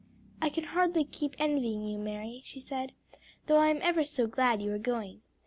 'I can hardly help envying you, Mary,' she said, 'though I am ever so glad you are going.